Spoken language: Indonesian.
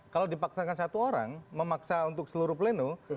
kalau dipaksakan satu orang memaksa untuk seluruh pleno